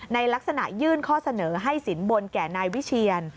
ในลักษณะยื่นข้อเสนอให้สินบนแก่นายวิเชียน